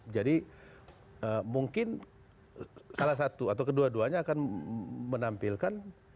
jadi mungkin salah satu atau kedua duanya akan menampilkan